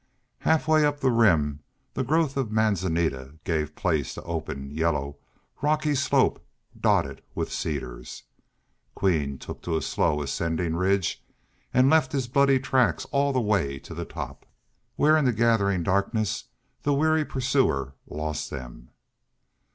Halfway up the Rim the growth of manzanita gave place to open, yellow, rocky slope dotted with cedars. Queen took to a slow ascending ridge and left his bloody tracks all the way to the top, where in the gathering darkness the weary pursuer lost them.